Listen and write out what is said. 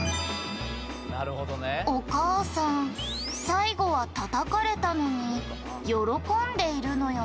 「お母さん最後はたたかれたのに喜んでいるのよね」